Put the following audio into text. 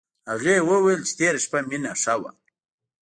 هغې وویل چې تېره شپه مينه ښه وه